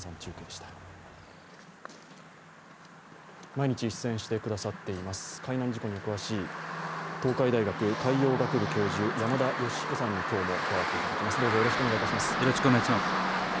毎日出演てくださっています、海難事故にお詳しい、東海大学海洋学部教授、山田吉彦さんに今日も加わっていただきます。